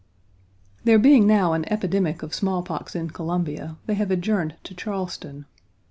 There being now an epidemic of small pox in Columbia, they have adjourned to Charleston.